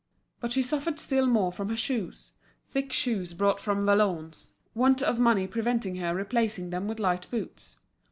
But she suffered still more from her shoes, thick shoes brought from Valognes, want of money preventing her replacing them with light boots.